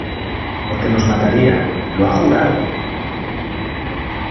porque nos mataría... ¡ lo ha jurado! ...